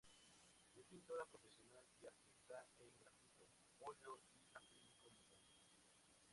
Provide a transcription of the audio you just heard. Es pintora profesional y artista en grafito, óleo y acrílico mediano.